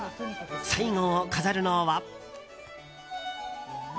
最後を飾るのは。